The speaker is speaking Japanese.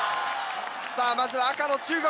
さあまずは赤の中国。